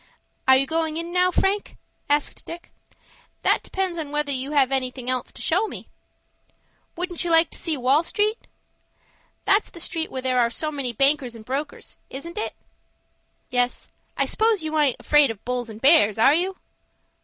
"Are you goin' in now, Frank?" asked Dick. "That depends upon whether you have anything else to show me." "Wouldn't you like to go to Wall Street?" "That's the street where there are so many bankers and brokers,—isn't it?" "Yes, I s'pose you aint afraid of bulls and bears,—are you?"